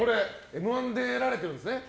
「Ｍ‐１」出られてるんですね。